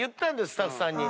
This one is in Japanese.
スタッフさんに。